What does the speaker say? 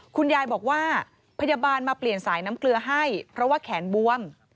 คุณยายบอกว่าพยาบาลมาเปลี่ยนสายน้ำเกลือให้เพราะว่าแขนบวม